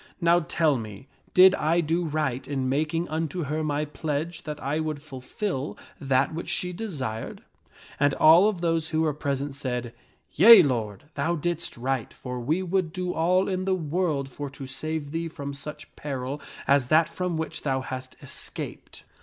Now tell me, did I do right in making unto her my pledge that I would fulfil that which she desired ?" And all of those who were present said, " Yea, lord, thou didst right, for we would do all in the world for to save thee from such peril as that from which thou hast es caped."